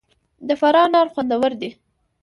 د فراه انار خوندور دي